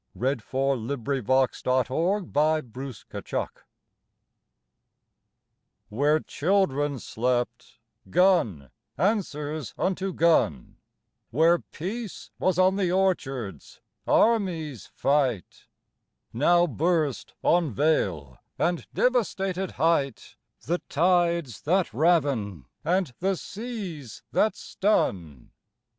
152 ON THE GREAT WAR TO THE ALLIED ARMS Where children slept, gun answers unto gun; Where peace was on the orchards, armies fight; Now burst, on vale and devastated height, The tides that raven and the seas that stun.